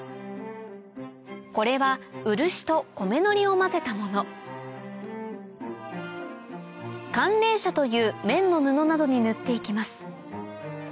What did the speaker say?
これは漆と米糊を混ぜたもの寒冷紗という綿の布などに塗って行きます